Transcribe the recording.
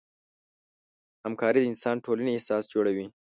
همکاري د انساني ټولنې اساس جوړوي.